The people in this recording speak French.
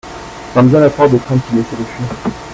Ferme bien la porte de crainte qu'il n'essayent de fuir.